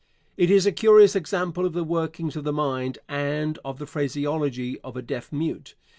It is a curious example of the workings of the mind and of the phraseology of a deaf mute.